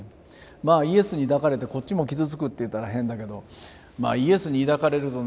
まあイエスに抱かれてこっちも傷つくっていったら変だけどまあイエスに抱かれるとね